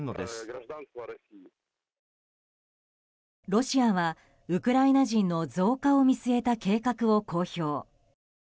ロシアはウクライナ人の増加を見据えた計画を公表。